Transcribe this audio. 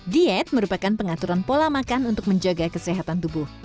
diet merupakan pengaturan pola makan untuk menjaga kesehatan tubuh